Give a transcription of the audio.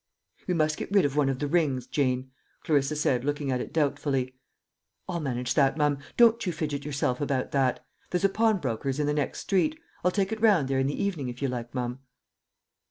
"We must get rid of one of the rings, Jane," Clarissa said, looking at it doubtfully. "I'll manage that, mum don't you fidget yourself about that. There's a pawnbroker's in the next street. I'll take it round there in the evening, if you like, mum."